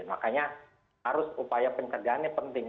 makanya harus upaya penkerjaannya penting